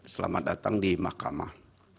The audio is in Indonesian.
selamat datang di mahkamah